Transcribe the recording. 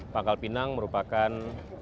pak kalpinang merupakan